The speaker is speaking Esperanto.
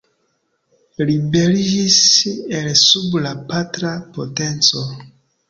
Liberiĝis el sub la patra potenco.